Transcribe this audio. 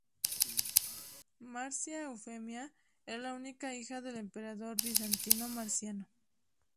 Marcia Eufemia era la única hija del emperador bizantino Marciano.